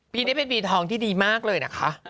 ปีนี้เป็นปีทองที่ดีมากเลยนะคะ